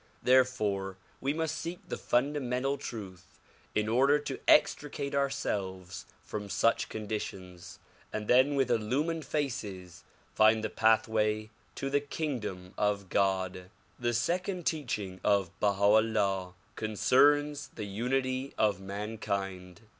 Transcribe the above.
Therefore we must seek the fundamental truth in order to extricate ourselves from such conditions and then with illumined faces find the pathway to the kingdom of God, The second teaching of Baha 'Ullah concerns the unity of man kind.